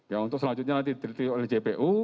ya untuk selanjutnya nanti diteliti oleh jpu